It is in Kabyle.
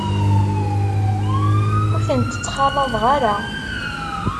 Ur tent-ttxalaḍeɣ ara.